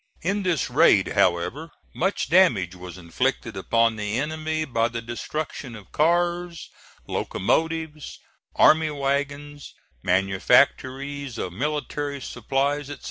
In this raid, however, much damage was inflicted upon the enemy by the destruction of cars, locomotives, army wagons, manufactories of military supplies, etc.